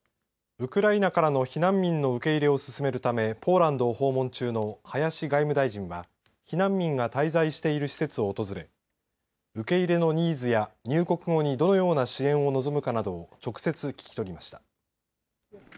ウクライナからの避難民の受け入れを進めるためポーランドを訪問中の林外務大臣は避難民が滞在している施設を訪れ受け入れのニーズや入国後にどのような支援を望むかなどを直接聞き取りました。